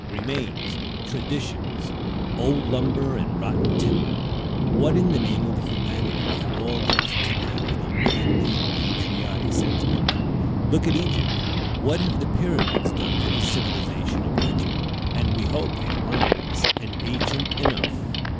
remains, traditions! Old lumber and rotten timber! What in the name of humanity have all these to do with a manly and patriotic sentiment? Look at Egypt; what have the Pyramids done for the civilization of Egypt? and we hope they are monuments, and ancient enough.